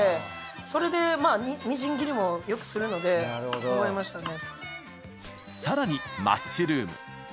それでみじん切りもよくするので覚えましたね。